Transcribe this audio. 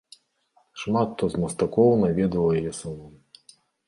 Шмат хто з мастакоў наведваў яе салон.